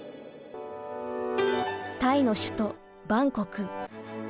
タイの首都バンコク。